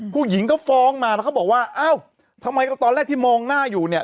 ผู้หญิงก็ฟ้องมาแล้วเขาบอกว่าอ้าวทำไมก็ตอนแรกที่มองหน้าอยู่เนี่ย